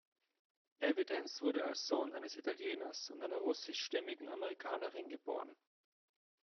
Evidence wurde als Sohn eines Italieners und einer russischstämmigen Amerikanerin geboren.